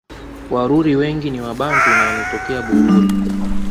Waruri wengi ni Wabantu na wanatokea Bururi